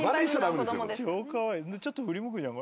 でちょっと振り向くじゃん。